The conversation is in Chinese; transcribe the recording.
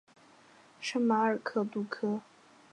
圣马尔克杜科。